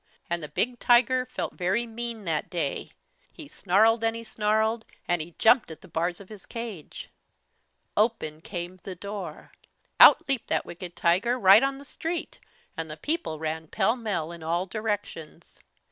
And the big tiger felt very mean that day. He snarled and he snarled, and he jumped at the bars of his cage. Open came the door. Out leaped that wicked tiger right on the street, and the people ran pell mell in all directions.